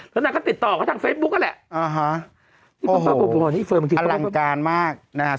และนางก็ติดต่อก็ทางเฟสบุคอะแหละโอโฮอร่างการมากนะฮะ